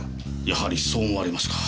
やはりそう思われますか。